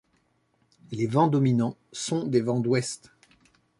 Les vents dominants sont des vents d'ouest.